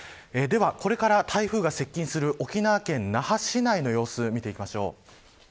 これから台風が接近する沖縄県那覇市内の様子見ていきましょう。